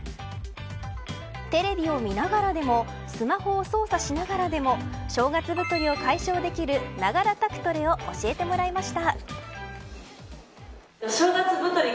テレビを見ながらでもスマホを操作しながらでも正月太りを解消できるながら宅トレを教えてもらいました。